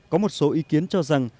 có một số ý kiến cho rằng